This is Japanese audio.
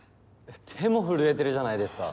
手も震えてるじゃないですか。